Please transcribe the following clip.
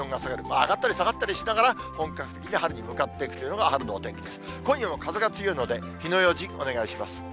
上がったり下がったりしながら、本格的に春に向かっていくというのが、春のお天気です。